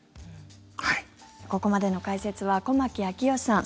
ここまでの解説は駒木明義さん